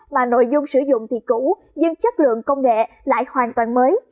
mà nội dung sử dụng thì cũ nhưng chất lượng công nghệ lại hoàn toàn mới